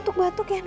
tuh kemana sih orang